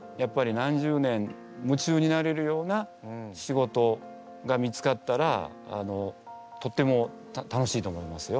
何十年夢中になれるような仕事が見つかったらとっても楽しいと思いますよ。